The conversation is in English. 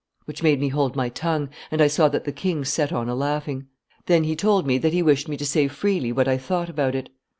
which made me hold my tongue, and I saw that the king set on a laughing. Then he told me that he wished me to say freely what I thought about it.